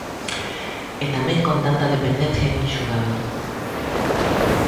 E tamén con tanta dependencia dun xogador.